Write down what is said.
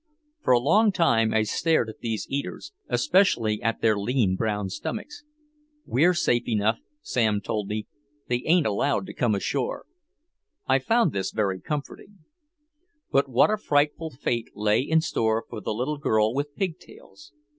For a long time I stared at these eaters, especially at their lean brown stomachs. "We're safe enough," Sam told me. "They ain't allowed to come ashore." I found this very comforting. But what a frightful fate lay in store for the little girl with pig tails.